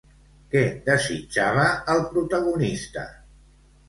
Què desitjava el protagonista?